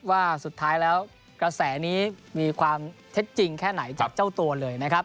ว่าสุดท้ายแล้วกระแสนี้มีความเท็จจริงแค่ไหนจากเจ้าตัวเลยนะครับ